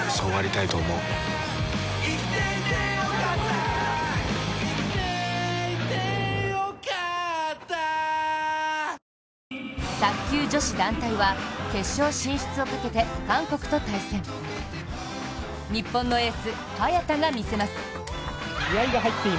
ひろうって偉大だな卓球女子団体は決勝進出をかけて韓国と対戦。日本のエース・早田が見せます。